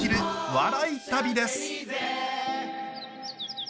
笑い旅です。